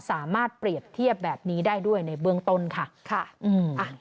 สามารถเปรียบเทียบแบบนี้ได้ด้วยในเบื้องต้นค่ะค่ะอืมอ่ะ